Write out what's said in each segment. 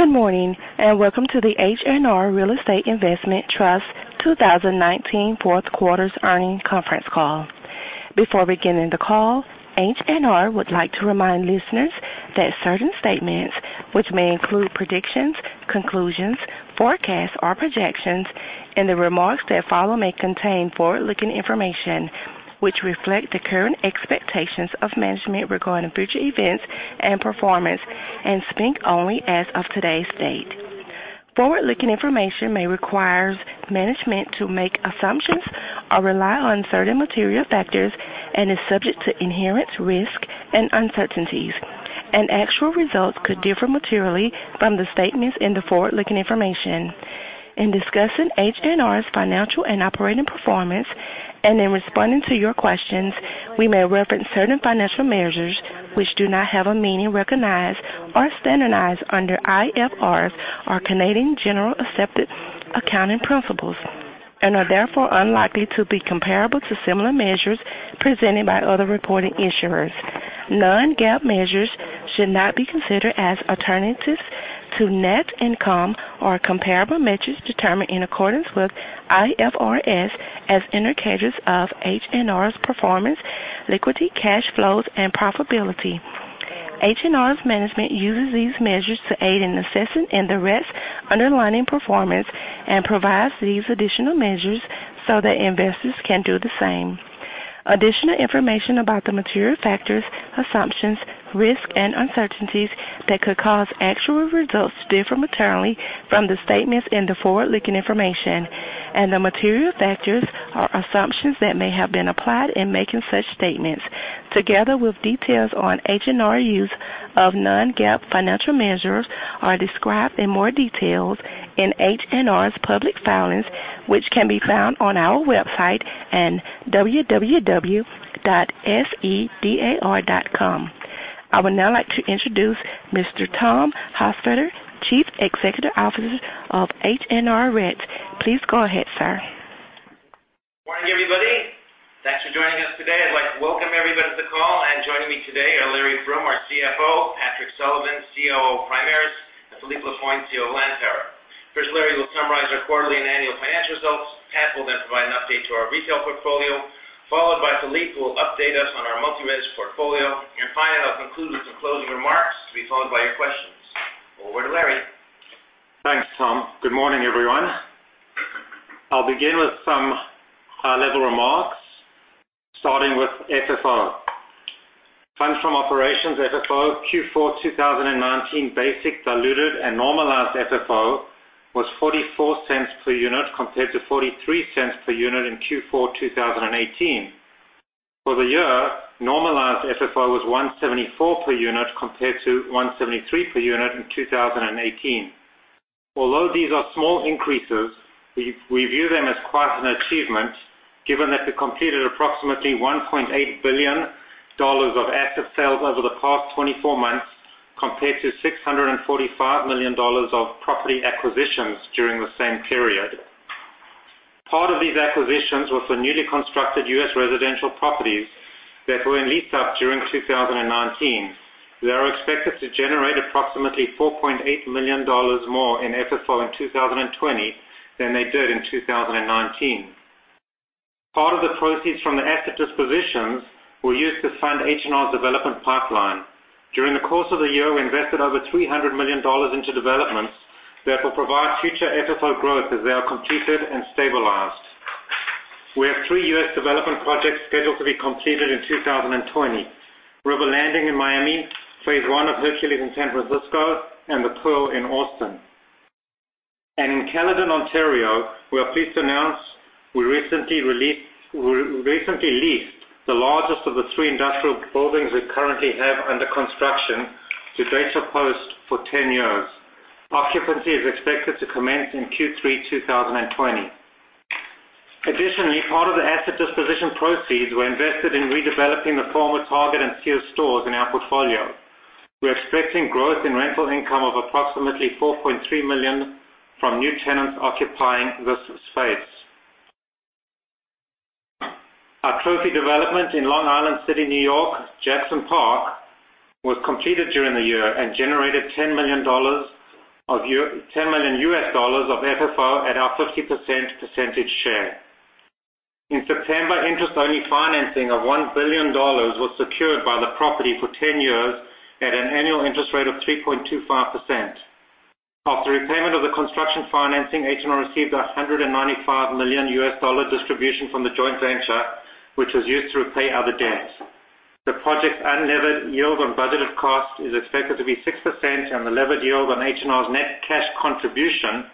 Good morning. Welcome to the H&R Real Estate Investment Trust 2019 Fourth Quarter Earnings Conference Call. Before beginning the call, H&R would like to remind listeners that certain statements which may include predictions, conclusions, forecasts, or projections, and the remarks that follow may contain forward-looking information which reflect the current expectations of management regarding future events and performance, and speak only as of today's date. Forward-looking information may require management to make assumptions or rely on certain material factors and is subject to inherent risks and uncertainties. Actual results could differ materially from the statements in the forward-looking information. In discussing H&R's financial and operating performance, and in responding to your questions, we may reference certain financial measures which do not have a meaning recognized or standardized under IFRS or Canadian Generally Accepted Accounting Principles and are therefore unlikely to be comparable to similar measures presented by other reporting issuers. Non-GAAP measures should not be considered as alternatives to net income or comparable measures determined in accordance with IFRS as indicators of H&R's performance, liquidity, cash flows, and profitability. H&R's management uses these measures to aid in assessing the real underlying performance and provides these additional measures so that investors can do the same. Additional information about the material factors, assumptions, risks, and uncertainties that could cause actual results to differ materially from the statements and the forward-looking information and the material factors or assumptions that may have been applied in making such statements, together with details on H&R's use of Non-GAAP financial measures, are described in more details in H&R's public filings, which can be found on our website at www.sedarplus.ca. I would now like to introduce Mr. Tom Hofstedter, Chief Executive Officer of H&R REIT. Please go ahead, Sir. Morning, everybody. Thanks for joining us today. I'd like to welcome everybody to the call. Joining me today are Larry Froom, our CFO, Patrick Sullivan, COO of Primaris, and Philippe Lapointe, COO of Lantower. First, Larry will summarize our quarterly and annual financial results. Pat will then provide an update to our retail portfolio, followed by Philippe, who will update us on our multi-res portfolio. Finally, I'll conclude with some closing remarks to be followed by your questions. Over to Larry. Thanks, Tom. Good morning, everyone. I'll begin with some high-level remarks, starting with FFO. Funds from operations, FFO, Q4 2019 basic, diluted, and normalized FFO was 0.44 per unit, compared to 0.43 per unit in Q4 2018. For the year, normalized FFO was 1.74 per unit, compared to 1.73 per unit in 2018. Although these are small increases, we view them as quite an achievement, given that we completed approximately 1.8 billion dollars of asset sales over the past 24 months, compared to 645 million dollars of property acquisitions during the same period. Part of these acquisitions was for newly constructed U.S. residential properties that were in leased up during 2019. They are expected to generate approximately 4.8 million dollars more in FFO in 2020 than they did in 2019. Part of the proceeds from the asset dispositions were used to fund H&R's development pipeline. During the course of the year, we invested over CAD 300 million into developments that will provide future FFO growth as they are completed and stabilized. We have three U.S. development projects scheduled to be completed in 2020. River Landing in Miami, phase I of Hercules in San Francisco, and The Pearl in Austin. In Caledon, Ontario, we are pleased to announce we recently leased the largest of the three industrial buildings we currently have under construction to Data Post for 10 years. Occupancy is expected to commence in Q3 2020. Additionally, part of the asset disposition proceeds were invested in redeveloping the former Target and Sears stores in our portfolio. We are expecting growth in rental income of approximately 4.3 million from new tenants occupying this space. Our trophy development in Long Island City, N.Y., Jackson Park, was completed during the year and generated $10 million of FFO at our 50% percentage share. In September, interest-only financing of 1 billion dollars was secured by the property for 10 years at an annual interest rate of 3.25%. After repayment of the construction financing, H&R received a $195 million distribution from the joint venture, which was used to repay other debts. The project's unlevered yield on budgeted cost is expected to be 6%, and the levered yield on H&R's net cash contribution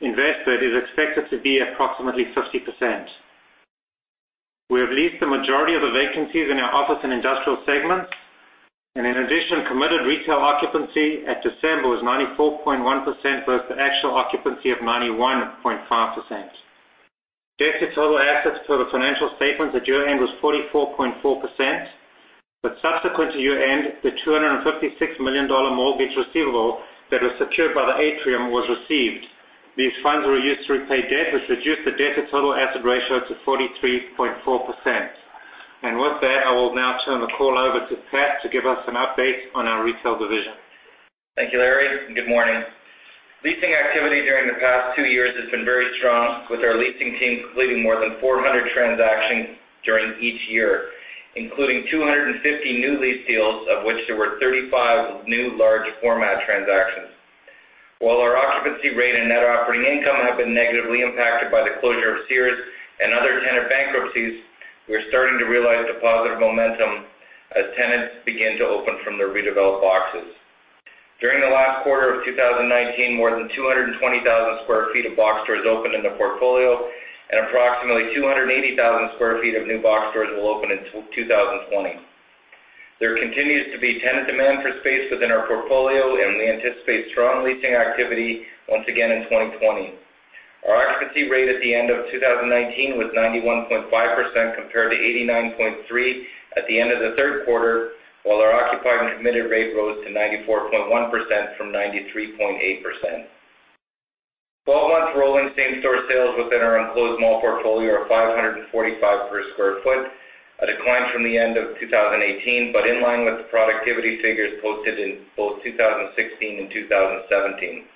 invested is expected to be approximately 50%. We have leased the majority of the vacancies in our office and industrial segments, and in addition, committed retail occupancy at December was 94.1% versus the actual occupancy of 91.5%. Debt to total assets per the financial statements at year-end was 44.4%. Subsequent to year-end, the 256 million dollar mortgage receivable that was secured by the Atrium was received. These funds were used to repay debt, which reduced the debt to total asset ratio to 43.4%. With that, I will now turn the call over to Pat to give us an update on our retail division. Thank you, Larry. Good morning. Leasing activity during the past two years has been very strong, with our leasing team completing more than 400 transactions during each year, including 250 new lease deals, of which there were 35 new large format transactions. While our occupancy rate and net operating income have been negatively impacted by the closure of Sears and other tenant bankruptcies, we're starting to realize the positive momentum as tenants begin to open from their redeveloped boxes. During the last quarter of 2019, more than 220,000 sq ft of box stores opened in the portfolio, and approximately 280,000 sq ft of new box stores will open in 2020. There continues to be tenant demand for space within our portfolio. We anticipate strong leasing activity once again in 2020. Our occupancy rate at the end of 2019 was 91.5%, compared to 89.3% at the end of the third quarter, while our occupied and committed rate rose to 94.1% from 93.8%. 12 months rolling same-store sales within our enclosed mall portfolio are 545 per square foot, a decline from the end of 2018, but in line with the productivity figures posted in both 2016 and 2017.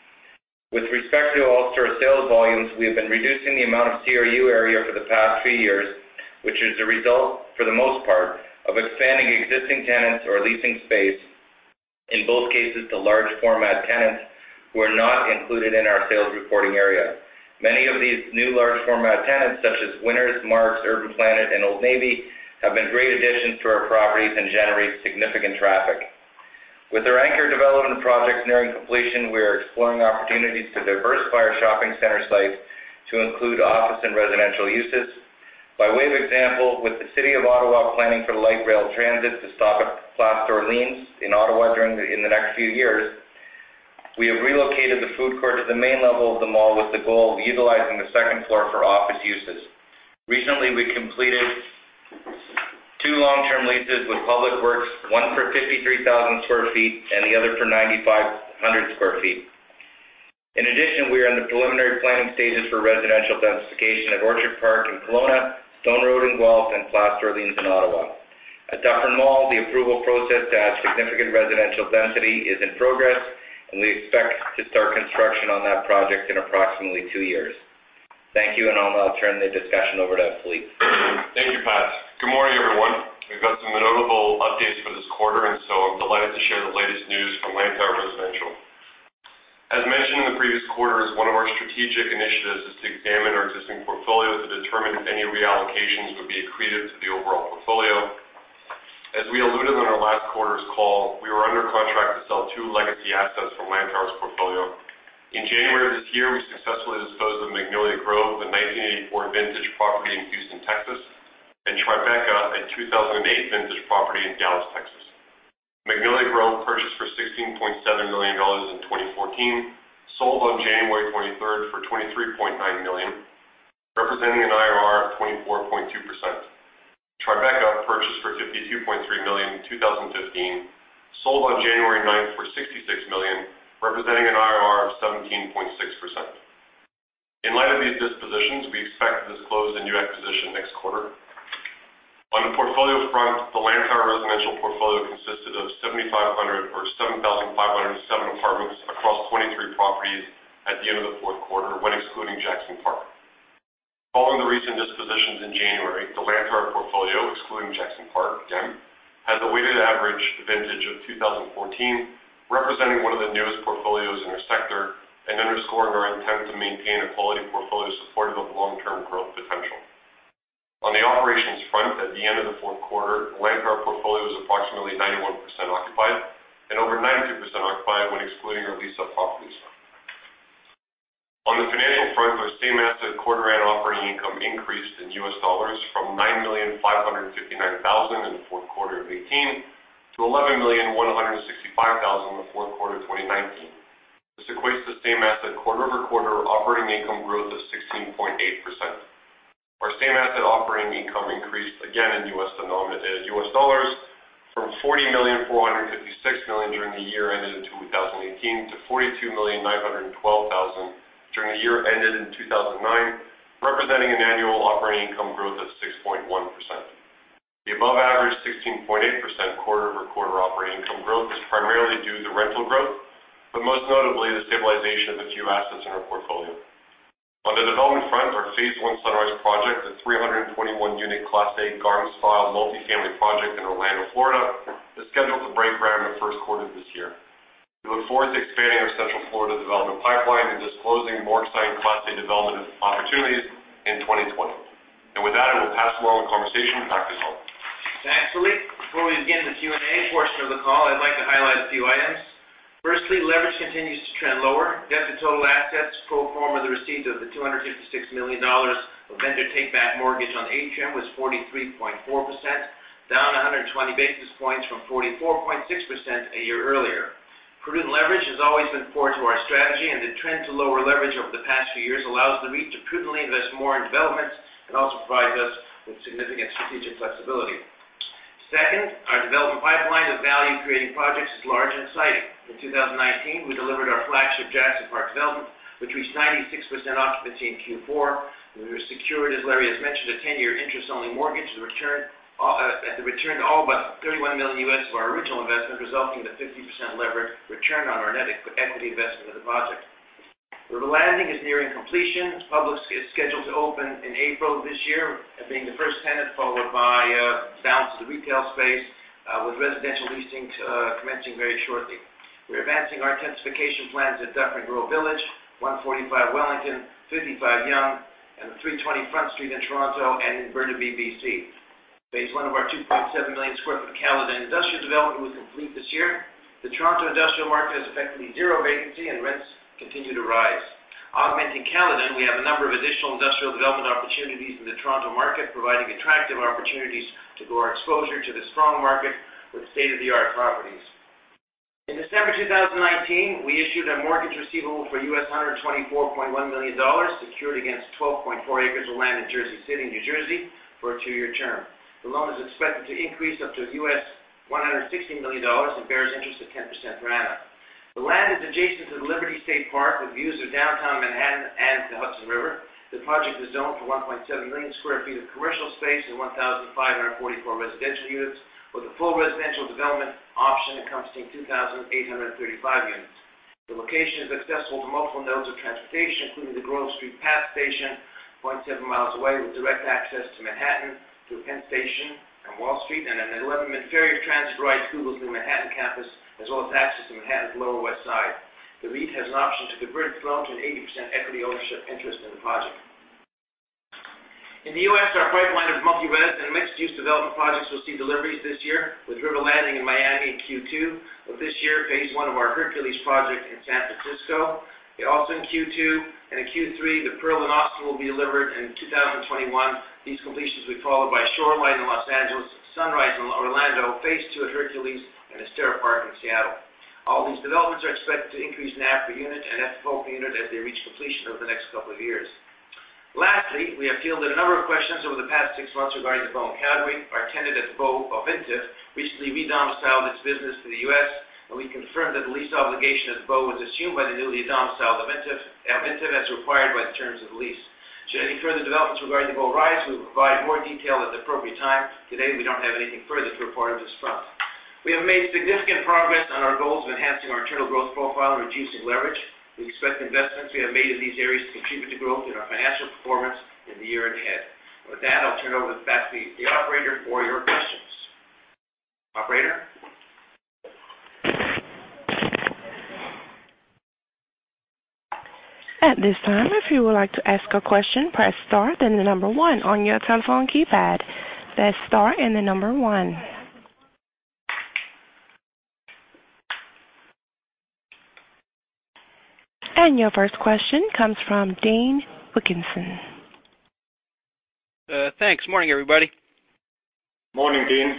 With respect to all store sales volumes, we have been reducing the amount of CRU area for the past few years, which is a result, for the most part, of expanding existing tenants or leasing space, in both cases, to large format tenants who are not included in our sales reporting area. Many of these new large format tenants, such as Winners, Mark's, Urban Planet, and Old Navy, have been great additions to our properties and generate significant traffic. With our anchor development projects nearing completion, we are exploring opportunities to diversify our shopping center sites to include office and residential uses. By way of example, with the city of Ottawa planning for light rail transit to stop at Place d'Orleans in Ottawa in the next few years, we have relocated the food court to the main level of the mall with the goal of utilizing the second floor for office uses. Recently, we completed two long-term leases with Public Works, one for 53,000 sq ft and the other for 9,500 sq ft. In addition, we are in the preliminary planning stages for residential densification at Orchard Park in Kelowna, Stone Road in Guelph, and Place d'Orleans in Ottawa. At Dufferin Mall, the approval process to add significant residential density is in progress, and we expect to start construction on that project in approximately two years. Thank you, I'll now turn the discussion over to Philippe. Thank you, Pat. Good morning, everyone. We've got some notable updates for this quarter. I'm delighted to share the latest news from Lantower Residential. As mentioned in the previous quarters, one of our strategic initiatives is to examine our existing portfolio to determine if any reallocations would be accretive to the overall portfolio. As we alluded on our last quarter's call, we were under contract to sell two legacy assets from Lantower's portfolio. In January of this year, we successfully disposed of Magnolia Grove, the 1984 vintage property in Houston, Texas, and Tribeca, a 2008 vintage property in Dallas, Texas. Magnolia Grove, purchased for 16.7 million dollars in 2014, sold on January 23rd for 23.9 million, representing an IRR of 24.2%. Tribeca, purchased for 52.3 million in 2015, sold on January 9th for 66 million, representing an IRR of 17.6%. In light of these dispositions, we expect to disclose a new acquisition next quarter. On the portfolio front, the Lantower Residential portfolio consisted of 7,507 apartments across 23 properties at the end of the fourth quarter, when excluding Jackson Park. Following the recent dispositions in January, the Lantower portfolio, excluding Jackson Park, again, has a weighted average vintage of 2014, representing one of the newest portfolios in our sector and underscoring our intent to maintain a quality portfolio supportive of long-term growth potential. On the operations front, at the end of the fourth quarter, the Lantower portfolio was approximately 91% occupied and over 92% occupied when excluding our lease-up properties. On the financial front, our same asset quarter and operating income increased in U.S. dollars from $9,559,000 in the fourth quarter of 2018 to $11,165,000 in the fourth quarter of 2019. This equates to same asset quarter-over-quarter operating income growth of 16.8%. Our same asset operating income increased, again, in US dollars from $40,456,000 during the year ended in 2018 to $42,912,000 during the year ended in 2009, representing an annual operating income growth of 6.1%. The above-average 16.8% quarter-over-quarter operating income growth is primarily due to rental growth, but most notably the stabilization of a few assets in our portfolio. On the development front, our phase I Sunrise project, a 321-unit Class A gardens-style multifamily project in Orlando, Florida, is scheduled to break ground in the first quarter of this year. We look forward to expanding our Central Florida development pipeline and disclosing more exciting Class A development opportunities in 2020. With that, I will pass along the conversation back to Tom. Thanks, Philippe. Before we begin the Q&A portion of the call, I'd like to highlight a few items. Firstly, leverage continues to trend lower. Debt to total assets pro forma the receipt of the 256 million dollars of vendor take-back mortgage on Atrium was 43.4%, down 120 basis points from 44.6% a year earlier. Prudent leverage has always been core to our strategy, and the trend to lower leverage over the past few years allows the REIT to prudently invest more in developments and also provides us with significant strategic flexibility. Second, our development pipeline of value-creating projects is large and exciting. In 2019, we delivered our flagship Jackson Park development, which reached 96% occupancy in Q4. We were secured, as Larry has mentioned, a 10-year interest-only mortgage at the return to all but $31 million. For our original investment, resulting in a 50% levered return on our net equity investment of the project. River Landing is nearing completion. It's scheduled to open in April of this year as being the first tenant followed by brands to the retail space, with residential leasing commencing very shortly. We're advancing our intensification plans at Dufferin Grove Village, 145 Wellington, 55 Yonge, and the 320 Front Street in Toronto, and in Burnaby, B.C. Phase I of our 2.7 million square feet Caledon industrial development was complete this year. The Toronto industrial market has effectively zero vacancy, and rents continue to rise. Augmenting Caledon, we have a number of additional industrial development opportunities in the Toronto market, providing attractive opportunities to grow our exposure to this strong market with state-of-the-art properties. In December 2019, we issued a mortgage receivable for [UFR]$124.1 million, secured against 12.4 acres of land in Jersey City, New Jersey, for a two-year term. The loan is expected to increase up to $116 million and bears interest of 10% per annum. The land is adjacent to the Liberty State Park, with views of downtown Manhattan and the Hudson River. The project is zoned for 1.7 million square feet of commercial space and 1,544 residential units, with a full residential development option encompassing 2,835 units. The location is accessible to multiple nodes of transportation, including the Grove Street Path station, 0.7 mi away, with direct access to Manhattan through Penn Station and Wall Street, and an 11-minute ferry transit ride to Google's new Manhattan campus, as well as access to Manhattan's Lower West Side. The REIT has an option to convert the loan to an 80% equity ownership interest in the project. In the U.S., our pipeline of multi-res and mixed-use development projects will see deliveries this year with River Landing in Miami in Q2 of this year, phase I of our Hercules project in San Francisco, also in Q2. In Q3, The Pearl in Austin will be delivered in 2021. These completions will be followed by Shoreline in Los Angeles, Sunrise in Orlando, phase II of Hercules, and Astoria Park in Seattle. All these developments are expected to increase in net per unit and FFO per unit as they reach completion over the next couple of years. Lastly, we have fielded a number of questions over the past six months regarding The Bow headlease. Our tenant at The Bow, Ovintiv, recently re-domiciled its business to the U.S. We confirmed that the lease obligation of The Bow was assumed by the newly domiciled Ovintiv as required by the terms of the lease. Should any further developments regarding The Bow arise, we will provide more detail at the appropriate time. Today, we don't have anything further to report on this front. We have made significant progress on our goals of enhancing our internal growth profile and reducing leverage. We expect the investments we have made in these areas to contribute to growth in our financial performance in the year ahead. With that, I'll turn over back to the Operator for your questions. Operator? At this time, if you would like to ask a question, press star, then the number one on your telephone keypad. That's star and the number one. Your first question comes from Dean Wilkinson. Thanks. Morning, everybody. Morning, Dean.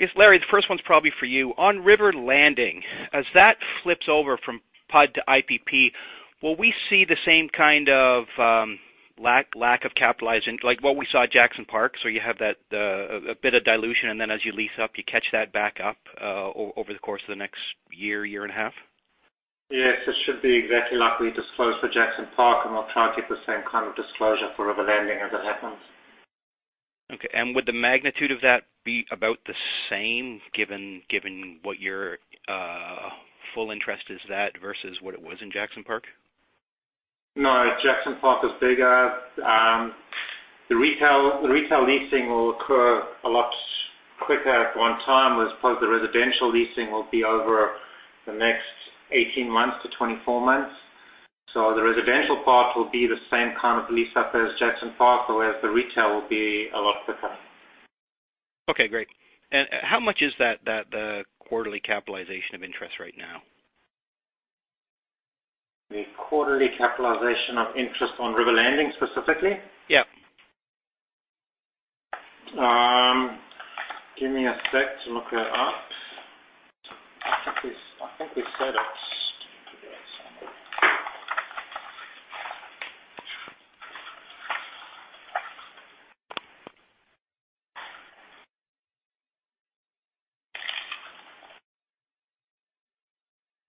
Yes, Larry, the first one's probably for you. On River Landing, as that flips over from PUD to IPP, will we see the same kind of lack of capitalizing, like what we saw at Jackson Park? You have that a bit of dilution, and then as you lease up, you catch that back up over the course of the next year and a half? Yes, it should be exactly like we disclosed for Jackson Park, and I'll try and get the same kind of disclosure for River Landing as it happens. Would the magnitude of that be about the same given what your full interest is that versus what it was in Jackson Park? No, Jackson Park is bigger. The retail leasing will occur a lot quicker at one time, as opposed the residential leasing will be over the next 18 months to 24 months. The residential part will be the same kind of lease-up as Jackson Park, whereas the retail will be a lot quicker. Okay, great. How much is the quarterly capitalization of interest right now? The quarterly capitalization of interest on River Landing, specifically? Yep. Give me a sec to look that up. I think we said it.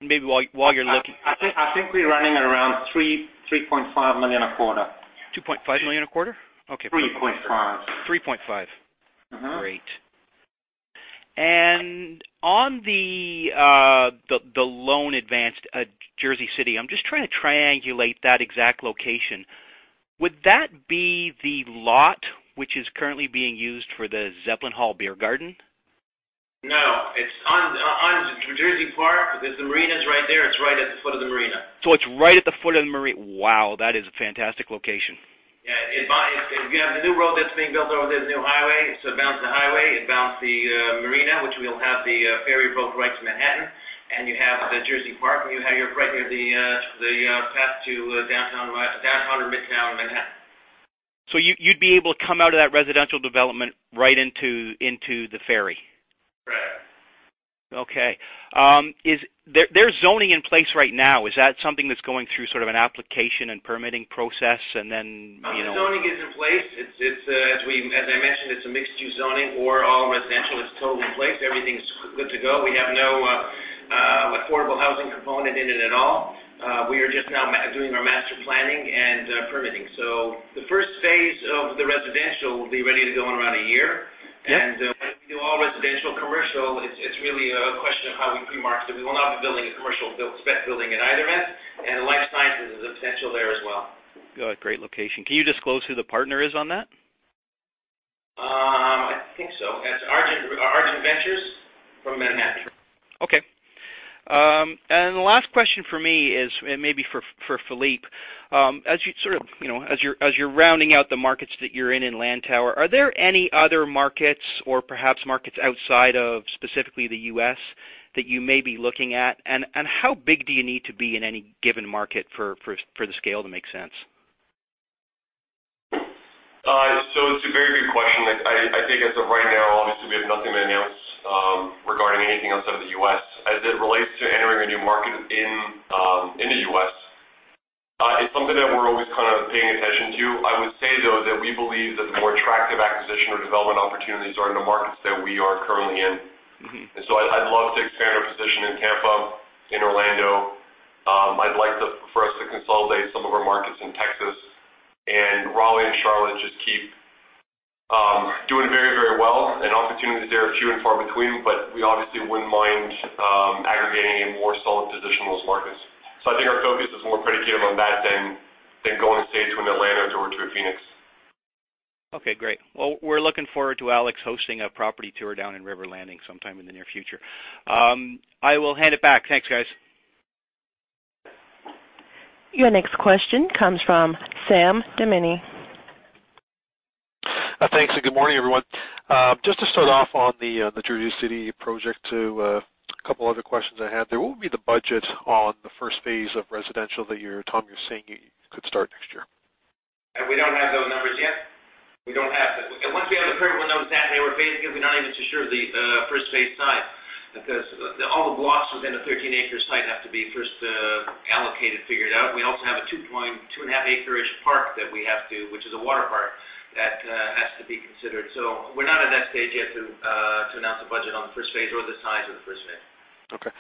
Maybe while you're looking. I think we're running at around 3.5 million a quarter. 2.5 million a quarter? Okay. 3.5 million. 3.5 million. Great. On the loan advanced at Jersey City, I'm just trying to triangulate that exact location. Would that be the lot which is currently being used for the Zeppelin Hall Beer Garden? No, it's on Liberty State Park. The marina's right there. It's right at the foot of the marina. It's right at the foot of the marina. Wow, that is a fantastic location. Yeah. You have the new road that's being built over there, the new highway. It bounds the highway. It bounds the marina, which we'll have the ferry boat right to Manhattan. You have the Liberty State Park, and you have right near the path to Downtown or Midtown Manhattan. You'd be able to come out of that residential development right into the ferry? Correct. Okay. There's zoning in place right now. Is that something that's going through sort of an application and permitting process? The zoning is in place. As I mentioned, it's a mixed-use zoning or all residential. It's totally in place. Everything's good to go. We have no affordable housing component in it at all. We are just now doing our master planning and permitting. The first phase of the residential will be ready to go in around a year. Yeah. When we do all residential, commercial, it's really a question of how we pre-market it. We will not be building a commercial spec building at either end, and the life sciences is a potential there as well. Good. Great location. Can you disclose who the partner is on that? I think so. It's Argent Ventures from Manhattan. Okay. The last question from me is, maybe for Philippe. As you're rounding out the markets that you're in Lantower, are there any other markets or perhaps markets outside of specifically the U.S. that you may be looking at? How big do you need to be in any given market for the scale to make sense? It's a very good question. I think as of right now, obviously we have nothing to announce regarding anything outside of the U.S. As it relates to entering a new market in the U.S., it's something that we're always kind of paying attention to. I would say, though, that we believe that the more attractive acquisition or development opportunities are in the markets that we are currently in. I'd love to expand our position in Tampa, in Orlando. I'd like for us to consolidate some of our markets in Texas and Raleigh and Charlotte just keep doing very well, and opportunities there are few and far between, but we obviously wouldn't mind aggregating a more solid position in those markets. I think our focus is more predicated on that than going upstate to an Atlanta or to a Phoenix. Okay, great. Well, we're looking forward to Alex hosting a property tour down in River Landing sometime in the near future. I will hand it back. Thanks, guys. Your next question comes from Sam Damiani. Thanks. Good morning, everyone. Just to start off on the Jersey City project to a couple other questions I had. What would be the budget on the first phase of residential that Tom you're saying could start next year? We don't have those numbers yet. We don't have that. Once we have the permit windows that they were basically not even so sure of the first phase size. All the blocks within a 13-acre site have to be first allocated, figured out. We also have a 2.5 acre-ish park that we have to, which is a water park, that has to be considered. We're not at that stage yet to announce a budget on the first phase or the size of the first phase. Okay.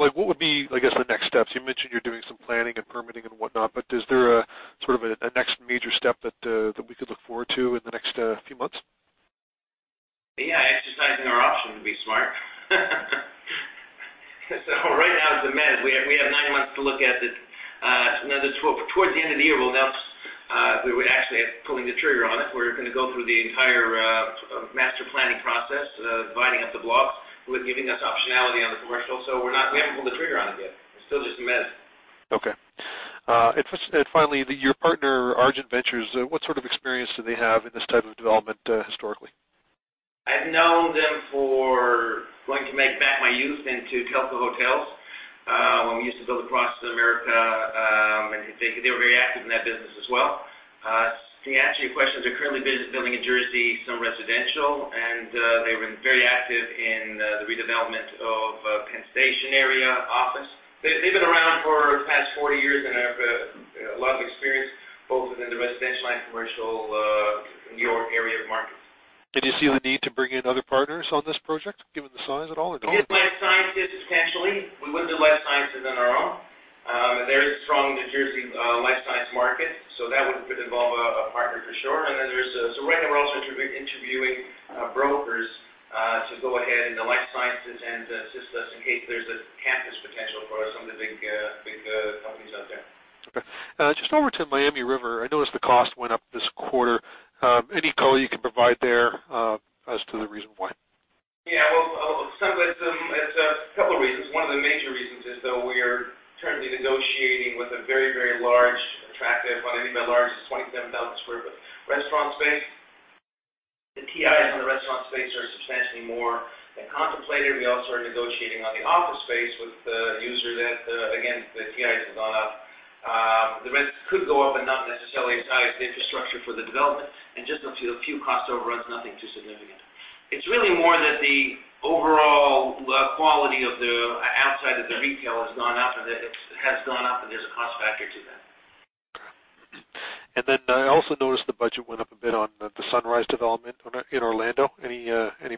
What would be, I guess, the next steps? You mentioned you're doing some planning and permitting and whatnot, but is there a sort of a next major step that we could look forward to in the next few months? Yeah. Exercising our option to be smart. Right now it's a meh. We have nine months to look at it. Now towards the end of the year, we'll announce if we would actually end up pulling the trigger on it. We're going to go through the entire master planning process, dividing up the blocks with giving us optionality on the commercial. We haven't pulled the trigger on it yet. It's still just a meh. Okay. Finally, your partner, Argent Ventures, what sort of experience do they have in this type of development historically? I've known them for going to [make back my youth into hotel]. When we used to build across America, they were very active in that business as well. To answer your questions, they're currently building in Jersey, some residential, and they've been very active in the redevelopment of Penn Station area office. They've been around for the past 40 years and have a lot of experience both within the residential and commercial New York area market. Did you see the need to bring in other partners on this project, given the size at all or no? We did life sciences potentially. We wouldn't do life sciences on our own. There is a strong New Jersey life science market, so that would involve a partner for sure. Right now we're also interviewing brokers to go ahead in the life sciences and assist us in case there's a campus potential for some of the big companies out there. Just over to River Landing, I noticed the cost went up this quarter. Any color you can provide there as to the reason why? Yeah. Well, it's a couple of reasons. One of the major reasons is, though, we are currently negotiating with a very large, attractive, by any means large, it's a 27,000 sq ft restaurant space. The TIs on the restaurant space are substantially more than contemplated. We also are negotiating on the office space with the user that, again, the TI has gone up. The rents could go up and not necessarily size the infrastructure for the development. Just a few cost overruns, nothing too significant. It's really more that the overall quality of the outside of the retail has gone up, and there's a cost factor to that. Okay. I also noticed the budget went up a bit on the Sunrise development in Orlando. Any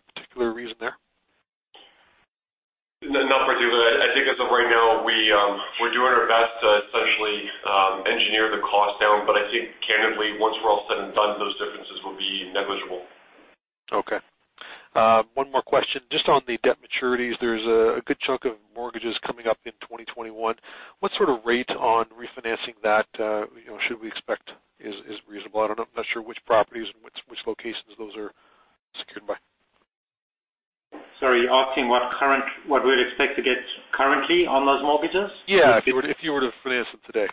particular reason there? Not particularly. I think as of right now, we're doing our best to essentially engineer the cost down. I think candidly, once we're all said and done, those differences will be negligible. Okay. One more question. Just on the debt maturities, there's a good chunk of mortgages coming up in 2021. What sort of rate on refinancing that should we expect is reasonable? I'm not sure which properties and which locations those are secured by. Sorry, you're asking what we'd expect to get currently on those mortgages? Yeah. If you were to finance it today.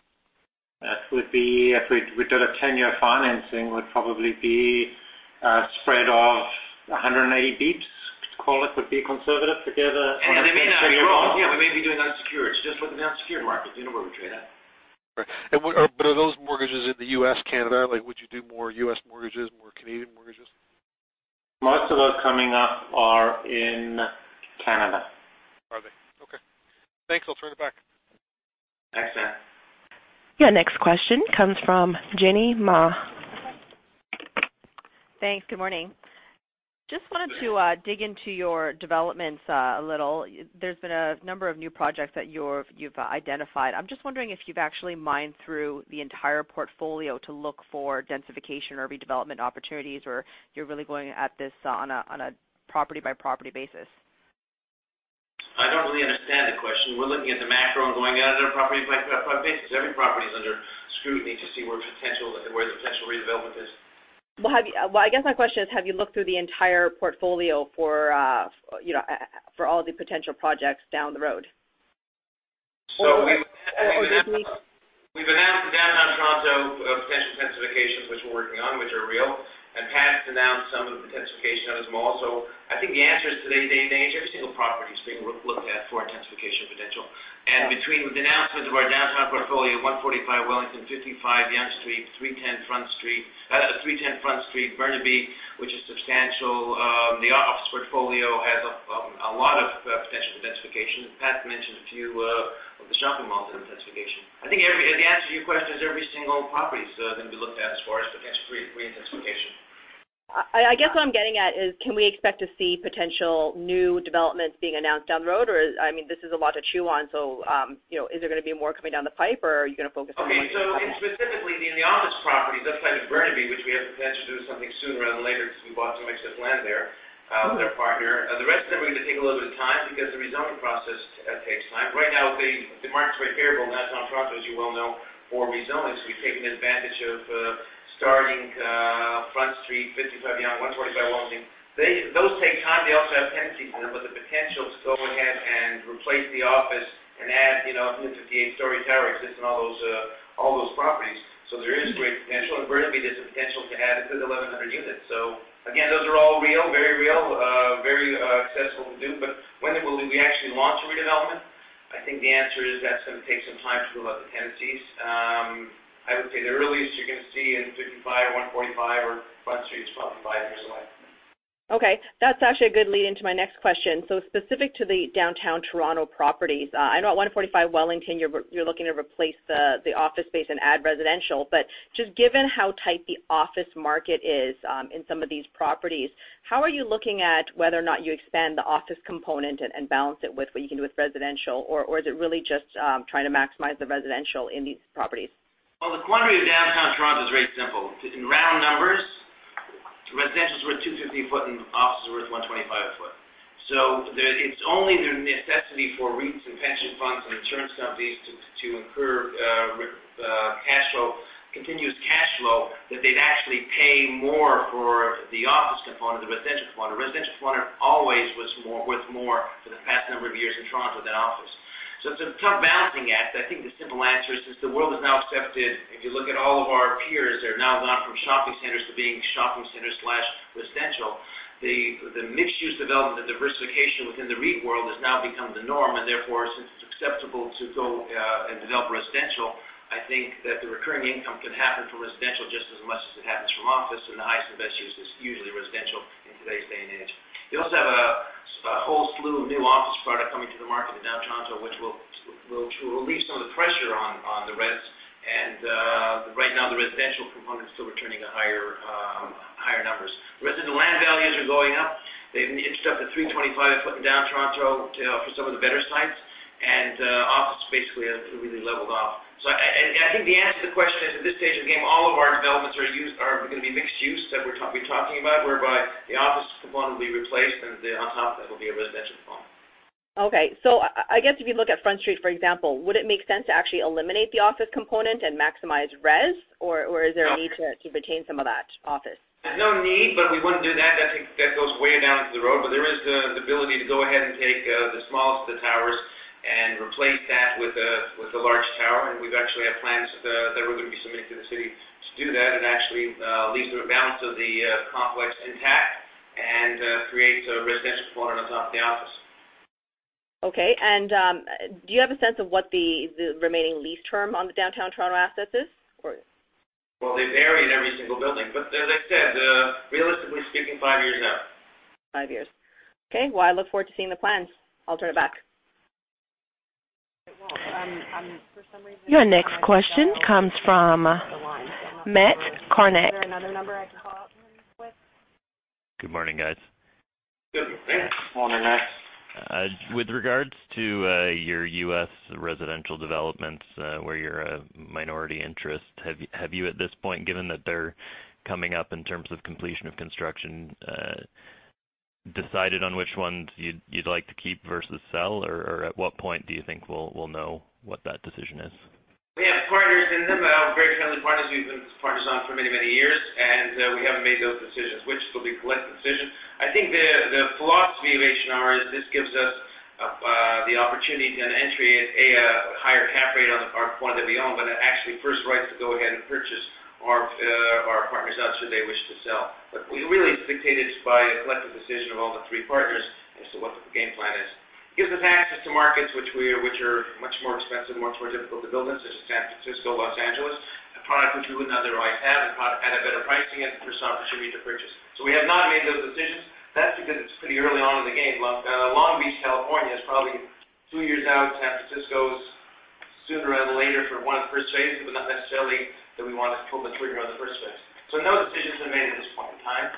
That would be if we did a 10-year financing, would probably be a spread of 180 basis points, call it, would be conservative. It's just with announced here in markets, you know where we trade at. Right. Are those mortgages in the U.S., Canada? Would you do more U.S. mortgages, more Canadian mortgages? Most of those coming up are in Canada. Are they? Okay. Thanks. I'll turn it back. Thanks, Sam. Your next question comes from Jenny Ma. Thanks. Good morning. Just wanted to dig into your developments a little. There's been a number of new projects that you've identified. I'm just wondering if you've actually mined through the entire portfolio to look for densification or redevelopment opportunities, or you're really going at this on a property-by-property basis? I don't really understand the question. We're looking at the macro and going at it on a property-by-property basis. Every property is under scrutiny to see where the potential redevelopment is. Well, I guess my question is, have you looked through the entire portfolio for all the potential projects down the road? We've announced the downtown Toronto potential intensifications, which we're working on, which are real, and Pat's announced some of the intensification of his malls. I think the answer is today and age, every single property is being looked at for intensification potential. Between the announcements of our downtown portfolio, 145 Wellington, 55 Yonge Street, 310 Front Street, Burnaby, which is substantial. The office portfolio has a lot of potential densification. Pat mentioned a few of the shopping malls in intensification. I think the answer to your question is every single property is going to be looked at as far as potential re-intensification. I guess what I'm getting at is, can we expect to see potential new developments being announced down the road, or, I mean, this is a lot to chew on? Is there going to be more coming down the pipe, or are you going to focus on what you have? Okay. Specifically in the office properties outside of Burnaby, which we have potential to do something sooner rather than later because we bought some excess land there with our partner. The rest of them are going to take a little bit of time because the rezoning process takes time. Right now, the market's very favorable in Downtown Toronto, as you well know, for rezonings. We've taken advantage of starting Front Street, 55 Yonge, 145 Wellington. Those take time. They also have tenancies in them with the potential to go ahead and replace the office and add a few 58-story towers sitting on all those properties. There is great potential. In Burnaby, there's the potential to add a good 1,100 units. Again, those are all real, very real, very accessible to do. When will we actually launch a redevelopment? I think the answer is that's going to take some time to roll out the tenancies. I would say the earliest you're going to see in 55, 145, or Front Street is probably five years away. Okay. That's actually a good lead into my next question. Specific to the downtown Toronto properties, I know at 145 Wellington, you're looking to replace the office space and add residential. But just given how tight the office market is in some of these properties, how are you looking at whether or not you expand the office component and balance it with what you can do with residential? Or is it really just trying to maximize the residential in these properties? Well, the quantity of downtown Toronto is very simple. In round numbers, residential is worth 250 a foot and office is worth 125 a foot. It's only the necessity for REITs and pension funds and insurance companies to incur continuous cash flow that they'd actually pay more for the office component than the residential component. The residential component always was worth more for the past number of years in Toronto than office. It's a tough balancing act. I think the simple answer is the world has now accepted, if you look at all of our peers, they're now gone from shopping centers to being shopping centers/residential. The mixed-use development, the diversification within the REIT world has now become the norm, and therefore, since it's acceptable to go and develop residential, I think that the recurring income can happen from residential just as much as it happens from office, and the highest and best use is usually residential in today's day and age. You also have a whole slew of new office product coming to the market in downtown Toronto, which will relieve some of the pressure on the res. Right now, the residential component is still returning to higher numbers. Residential land values are going up. It's up to 325 a foot in downtown Toronto for some of the better sites, and office basically has really leveled off. I think the answer to the question is at this stage of the game, all of our developments are going to be mixed use that we're talking about, whereby the office component will be replaced and on top of that will be a residential component. Okay. I guess if you look at Front Street, for example, would it make sense to actually eliminate the office component and maximize res, or is there a need to retain some of that office? There's no need, but we wouldn't do that. That goes way down to the road. There is the ability to go ahead and take the smallest of the towers and replace that with a large tower. We've actually have plans that we're going to be submitting to the city to do that and actually leaves the balance of the complex intact and creates a residential component on top of the office. Okay. Do you have a sense of what the remaining lease term on the downtown Toronto assets is? Well, they vary in every single building. As I said, realistically speaking, five years out. Five years. Okay. Well, I look forward to seeing the plans. I'll turn it back. Your next question comes from Matt Kornack. Good morning, guys. Good morning, Matt. With regards to your U.S. residential developments where you're a minority interest, have you at this point, given that they're coming up in terms of completion of construction, decided on which ones you'd like to keep versus sell? At what point do you think we'll know what that decision is? We have partners in them, very friendly partners. We've been partners now for many, many years, and we haven't made those decisions, which will be a collective decision. I think the philosophy of H&R is this gives us the opportunity to get an entry at a higher cap rate on the part, one that we own, but actually first right to go ahead and purchase our partners out should they wish to sell. We're really dictated by a collective decision of all the three partners as to what the game plan is. Gives us access to markets which are much more expensive, much more difficult to build in, such as San Francisco, Los Angeles, a product which we wouldn't otherwise have, a product at a better pricing, and first opportunity to purchase. We have not made those decisions. That's because it's pretty early on in the game. Long Beach, California, is probably two years out. San Francisco is sooner rather than later for one of the first phases, but not necessarily that we want to pull the trigger on the first phase. No decisions are made at this point in time.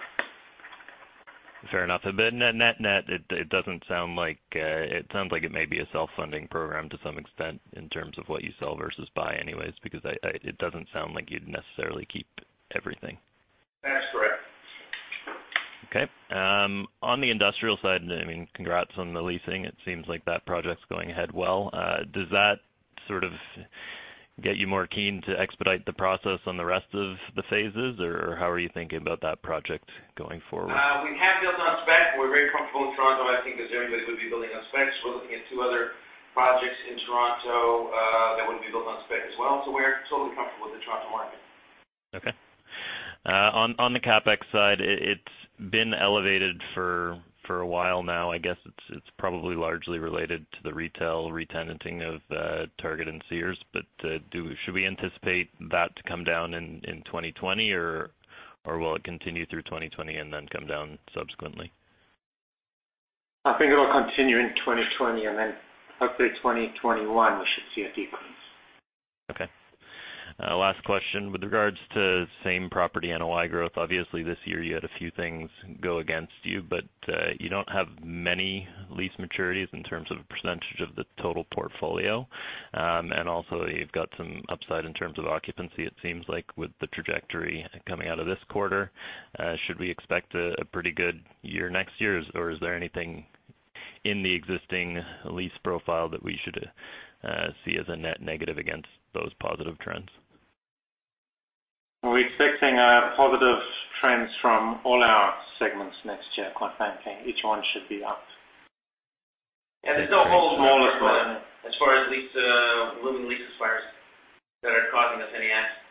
Fair enough. Net, net, it sounds like it may be a self-funding program to some extent in terms of what you sell versus buy anyways, because it doesn't sound like you'd necessarily keep everything. That's correct. Okay. On the industrial side, congrats on the leasing. It seems like that project's going ahead well. Does that sort of get you more keen to expedite the process on the rest of the phases? How are you thinking about that project going forward? We have built on spec. We're very comfortable in Toronto, and I think as everybody would be building on specs, we're looking at two other projects in Toronto that would be built on spec as well. We're totally comfortable with the Toronto market. Okay. On the CapEx side, it's been elevated for a while now. I guess it's probably largely related to the retail re-tenanting of Target and Sears, but should we anticipate that to come down in 2020, or will it continue through 2020 and then come down subsequently? I think it will continue in 2020 and then hopefully 2021 we should see a decrease. Okay. Last question. With regards to same-property NOI growth, obviously this year you had a few things go against you, but you don't have many lease maturities in terms of percentage of the total portfolio. Also, you've got some upside in terms of occupancy, it seems like, with the trajectory coming out of this quarter. Should we expect a pretty good year next year? Is there anything in the existing lease profile that we should see as a net negative against those positive trends? We're expecting positive trends from all our segments next year, quite frankly. Each one should be up. Yeah, there's no holes as far as looming leases expiries that are causing us any angst.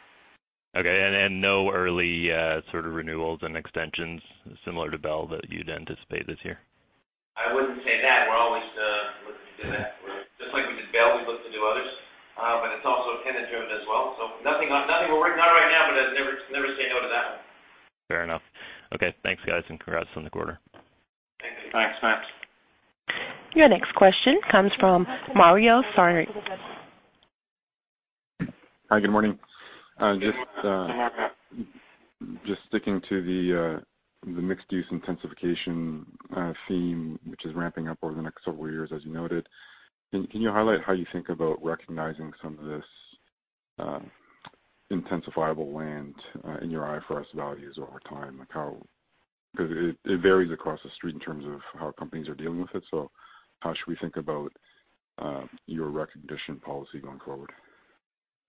Okay, no early sort of renewals and extensions similar to Bell that you'd anticipate this year? I wouldn't say that. We're always looking to do that. Just like we did Bell, we'd love to do others. It's also tenant-driven as well. Nothing we're working on right now, but I'd never say no to that. Fair enough. Okay, thanks, guys, and congrats on the quarter. Thanks. Thanks, Matt. Your next question comes from Mario Saric. Hi, good morning. Good morning, Mario. Just sticking to the mixed-use intensification theme, which is ramping up over the next several years, as you noted. Can you highlight how you think about recognizing some of this intensifiable land in your IFRS values over time? It varies across the street in terms of how companies are dealing with it. How should we think about your recognition policy going forward?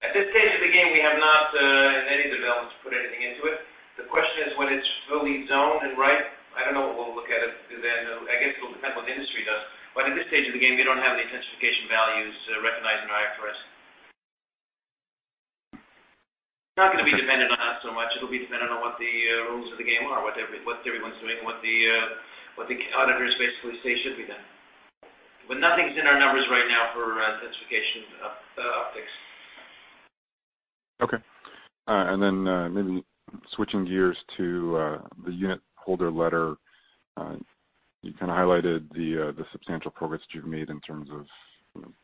At this stage of the game, we have not, in any developments, put anything into it. The question is when it's fully zoned and right, I don't know what we'll look at it then. I guess it'll depend what the industry does. At this stage of the game, we don't have the intensification values recognized in our IFRS. It's not going to be dependent on us so much. It'll be dependent on what the rules of the game are, what everyone's doing, what the auditors basically say should be done. Nothing's in our numbers right now for intensification optics. Okay. Maybe switching gears to the unit holder letter. You kind of highlighted the substantial progress that you've made in terms of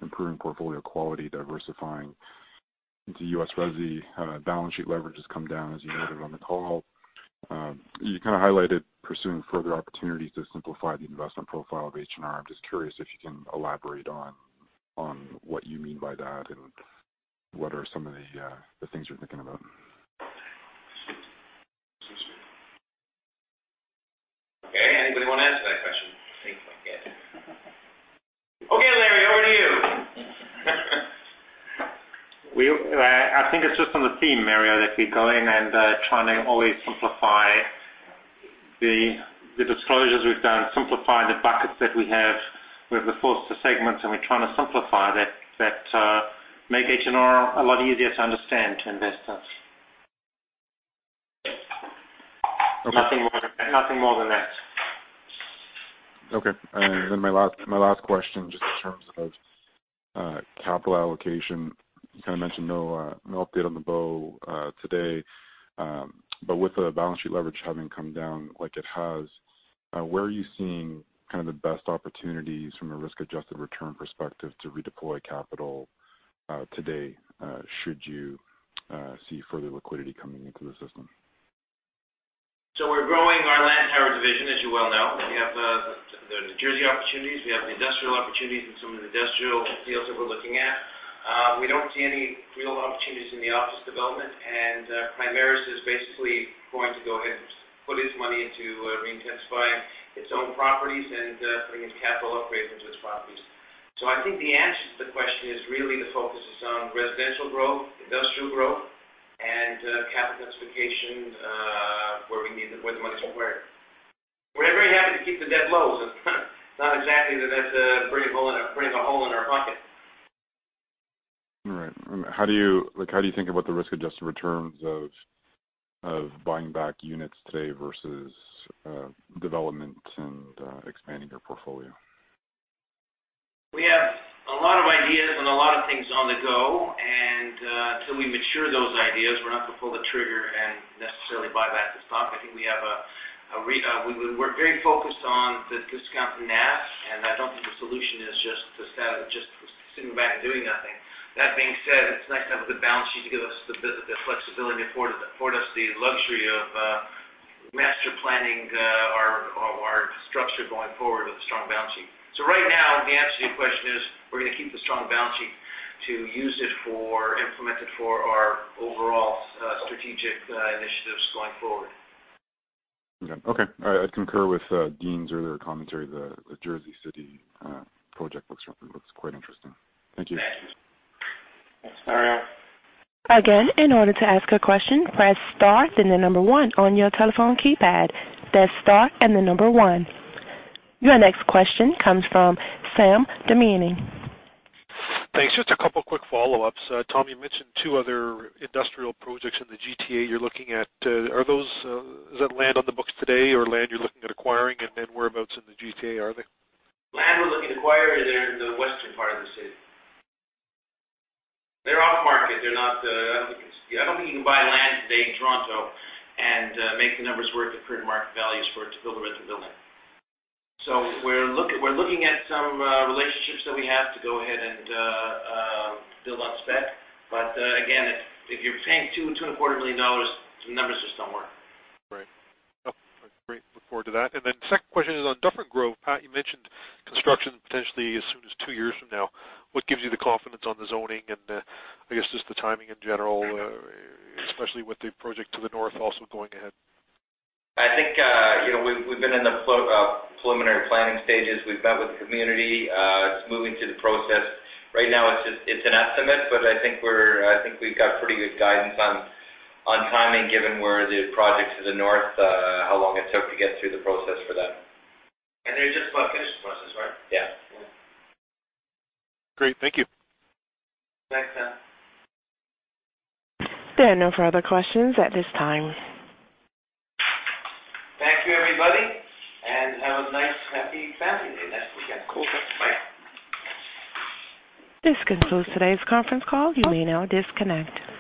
improving portfolio quality, diversifying into U.S. resi. Balance sheet leverage has come down, as you noted on the call. You kind of highlighted pursuing further opportunities to simplify the investment profile of H&R. I'm just curious if you can elaborate on what you mean by that and what are some of the things you're thinking about. Okay. Anybody want to answer that question? I think, yeah. Okay, Larry, over to you. I think it's just on the theme, Mario, that we go in and try to always simplify the disclosures we've done, simplify the buckets that we have. We have the four segments, and we're trying to simplify that to make H&R a lot easier to understand to investors. Okay. Nothing more than that. Okay. My last question, just in terms of capital allocation. You kind of mentioned no update on The Bow today. With the balance sheet leverage having come down like it has, where are you seeing kind of the best opportunities from a risk-adjusted return perspective to redeploy capital today, should you see further liquidity coming into the system? We're growing our Lantower division, as you well know. We have the Jersey opportunities. We have the industrial opportunities and some of the industrial deals that we're looking at. We don't see any real opportunities in the office development. Primaris is basically going to go ahead and put its money into re-intensifying its own properties and bringing capital upgrades into its properties. I think the answer to the question is really the focus is on residential growth, industrial growth, and capital intensification where the money's at work. We're very happy to keep the debt low. All right. How do you think about the risk-adjusted returns of buying back units today versus development and expanding your portfolio? We have a lot of ideas and a lot of things on the go, and until we mature those ideas, we're not going to pull the trigger and necessarily buy back the stock. I think we're very focused on the discount in NAV, and I don't think the solution is just sitting back and doing nothing. That being said, it's nice to have a good balance sheet to give us the flexibility, afford us the luxury of master planning our structure going forward with a strong balance sheet. Right now, the answer to your question is we're going to keep the strong balance sheet to use it for, implement it for our overall strategic initiatives going forward. Okay. All right. I concur with Dean's earlier commentary, the Jersey City project looks quite interesting. Thank you. Thanks. All right. Again, in order to ask a question, press star, then the number one on your telephone keypad. That's star and the number one. Your next question comes from Sam Damiani. Thanks. Just a couple of quick follow-ups. Tom, you mentioned two other industrial projects in the GTA you're looking at. Is that land on the books today or land you're looking at acquiring, and then whereabouts in the GTA are they? Land we're looking to acquire, they're in the western part of the city. They're off-market. I don't think you can buy land today in Toronto and make the numbers work at the current market values for it to build a rental building. We're looking at some relationships that we have to go ahead and build on spec. Again, if you're paying 200 million dollars, CAD 225 million, the numbers just don't work. Right. Great. Look forward to that. The second question is on Dufferin Grove. Pat, you mentioned construction potentially as soon as two years from now. What gives you the confidence on the zoning and, I guess, just the timing in general, especially with the project to the north also going ahead? I think we've been in the preliminary planning stages. We've met with the community. It's moving through the process. Right now, it's an estimate, but I think we've got pretty good guidance on timing given where the project to the north, how long it took to get through the process for that. They're just about finished the process, right? Yeah. Great. Thank you. Thanks, Sam. There are no further questions at this time. Thank you, everybody, and have a nice happy Family Day next weekend. Cool. Thanks. Bye. This concludes today's conference call. You may now disconnect.